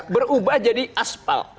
berubah jadi aspal